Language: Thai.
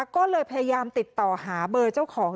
ก็เลยพยายามติดต่อหาเบอร์เจ้าของ